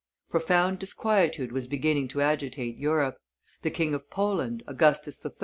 Profound disquietude was beginning to agitate Europe: the King of Poland, Augustus III.